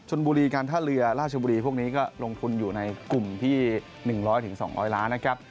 ส่วนทีมที่๑๐๐๒๐๐ล้านนะครับ